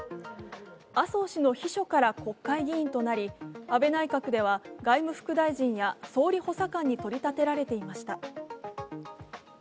麻生氏の秘書から国会議員となり安倍内閣では外務副大臣や総理補佐官に取り立てられていました。